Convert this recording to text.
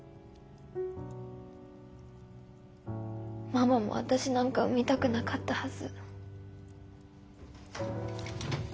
ママも私なんか産みたくなかったはず。